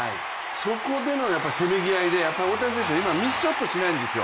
そこでのせめぎ合いで大谷選手はミスショットしないんですよ